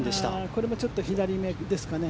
これもちょっと左めですかね。